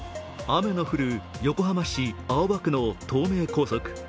雨の降る横浜市青葉区の東名高速。